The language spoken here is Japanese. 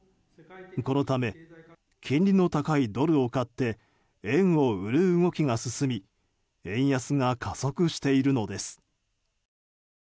このため金利の高いドルを買って円を売る動きが進み円安が加速しているのです。